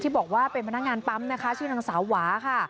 บอกว่าเป็นพนักงานปั๊มนะคะชื่อนางสาวหวาค่ะ